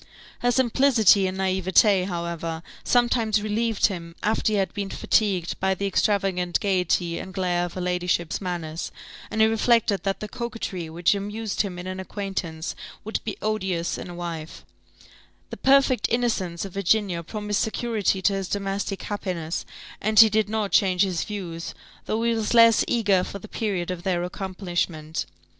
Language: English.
Her simplicity and naïvete, however, sometimes relieved him, after he had been fatigued by the extravagant gaiety and glare of her ladyship's manners; and he reflected that the coquetry which amused him in an acquaintance would be odious in a wife: the perfect innocence of Virginia promised security to his domestic happiness, and he did not change his views, though he was less eager for the period of their accomplishment.